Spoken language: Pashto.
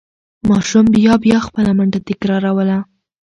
ماشوم بیا بیا خپله منډه تکراروله.